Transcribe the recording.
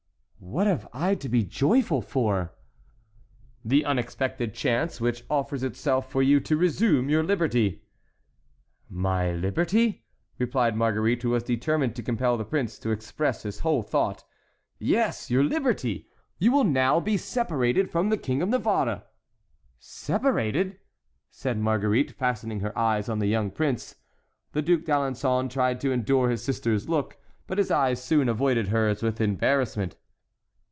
"What have I to be joyful for?" "The unexpected chance which offers itself for you to resume your liberty." "My liberty?" replied Marguerite, who was determined to compel the prince to express his whole thought. "Yes; your liberty! You will now be separated from the King of Navarre." "Separated!" said Marguerite, fastening her eyes on the young prince. The Duc d'Alençon tried to endure his sister's look, but his eyes soon avoided hers with embarrassment.